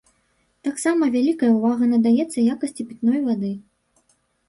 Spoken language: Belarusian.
Таксама вялікая ўвага надаецца якасці пітной вады.